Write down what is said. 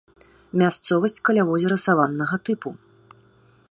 Мясцовасць каля возера саваннага тыпу.